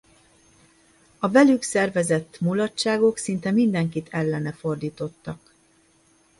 A velük szervezett mulatságok szinte mindenkit ellene fordítottak.